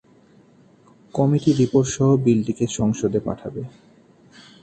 Committee রিপোর্টসহ বিলটিকে সংসদে পাঠাবে।